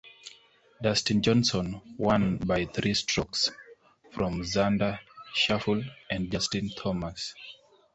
Dustin Johnson won by three strokes from Xander Schauffele and Justin Thomas.